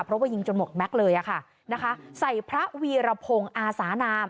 เพราะว่ายิงจนหมดแม็กซ์เลยอะค่ะนะคะใส่พระวีรพงศ์อาสานาม